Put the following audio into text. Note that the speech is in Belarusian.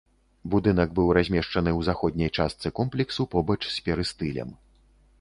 Будынак быў размешчаны ў заходняй частцы комплексу побач з перыстылем.